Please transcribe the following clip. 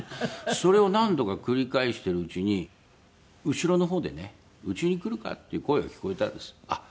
それを何度か繰り返してるうちに後ろの方でね「うちに来るか」っていう声が聞こえたんです。